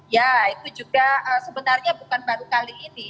ya itu juga sebenarnya bukan baru kali ini